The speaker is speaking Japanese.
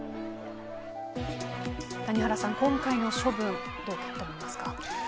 谷原さん、今回の処分どう思いますか。